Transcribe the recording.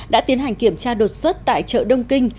đã tiến hành kiểm tra đột xuất tại chợ đông kinh